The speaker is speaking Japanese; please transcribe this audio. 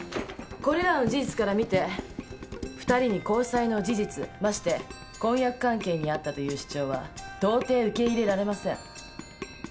これらの事実から見て二人に交際の事実まして婚約関係にあったという主張は到底受け入れられません。